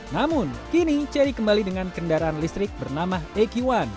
namun kini cherry kembali dengan kendaraan listrik bernama aq satu